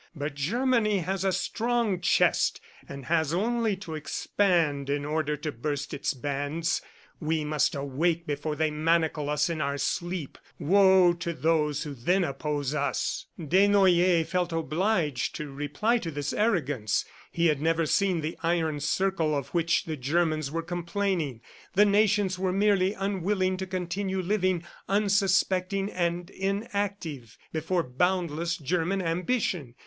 But Germany has a strong chest and has only to expand in order to burst its bands. We must awake before they manacle us in our sleep. Woe to those who then oppose us! ..." Desnoyers felt obliged to reply to this arrogance. He had never seen the iron circle of which the Germans were complaining. The nations were merely unwilling to continue living, unsuspecting and inactive, before boundless German ambition.